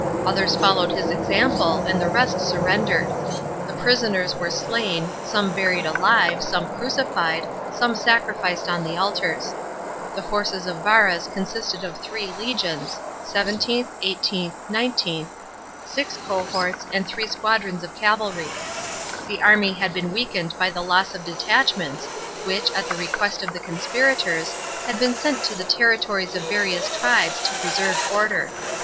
Others followed his example; and the rest surrendered. The prisoners were slain, some buried alive, some crucified, some sacrificed on the altars. The forces of Varus consisted of three legions (XVII., XVIII., XIX.), six cohorts, and three squadrons of cavalry. The army had been weakened by the loss of detachments, which, at the request of the conspirators, had been sent to the territories of various tribes to preserve order.